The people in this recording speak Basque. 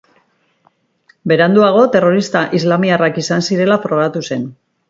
Beranduago, terrorista islamiarrak izan zirela frogatu zen.